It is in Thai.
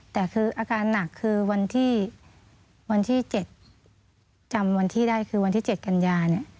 แต่คืออาการหนักคือวันที่๗จำวันที่ได้คือวันที่๗กันยาเนี่ย